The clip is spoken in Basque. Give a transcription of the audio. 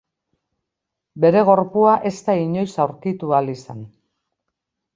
Bere gorpua ez da inoiz aurkitu ahal izan.